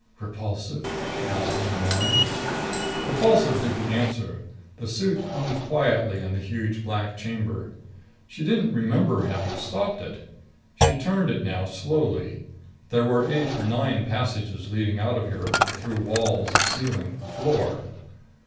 "Repulsive?" she asked in her mind. Repulsive didn't answer. The suit hung quietly in the huge black chamber. She didn't remember having stopped it. She turned it now slowly. There were eight or nine passages leading out of here, through walls, ceiling, floor.